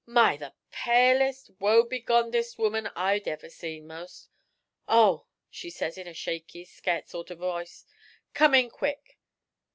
My! the palest, woe begon'dest woman I'd ever see, 'most. "Oh!" she says, in a shaky, scairt sort o' voice, "come in quick."